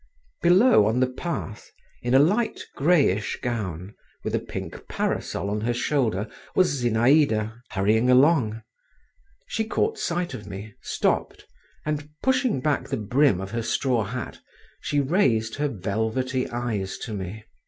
Below, on the path, in a light greyish gown, with a pink parasol on her shoulder, was Zinaïda, hurrying along. She caught sight of me, stopped, and pushing back the brim of her straw hat, she raised her velvety eyes to me.